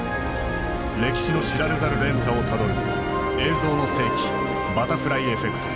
歴史の知られざる連鎖をたどる「映像の世紀バタフライエフェクト」。